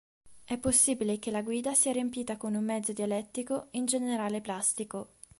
È possibile che la guida sia riempita con un mezzo dielettrico, in genere plastico.